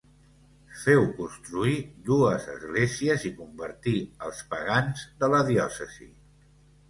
Féu construir dues esglésies i convertí els pagans de la diòcesi.